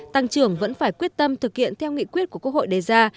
tăng trưởng vẫn phải quyết tâm thực hiện theo nghị quyết của quốc hội đề ra